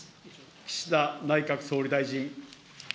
岸田内閣総理大臣。